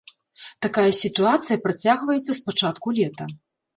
Такая сітуацыя працягваецца з пачатку лета.